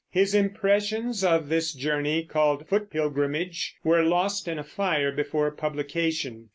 His impressions of this journey, called Foot Pilgrimage, were lost in a fire before publication.